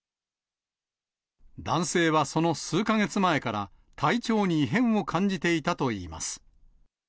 男性はその数か月前から、体調に異変を感じていたといいます。